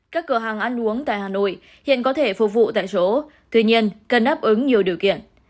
các cửa hàng ăn uống tại hà nội hiện có thể phục vụ tại chỗ tuy nhiên cần đáp ứng nhiều điều kiện